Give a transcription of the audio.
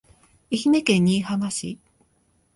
愛媛県新居浜市